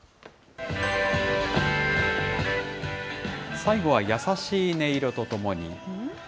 最後は優しい音色とともに。